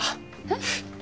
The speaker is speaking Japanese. えっ？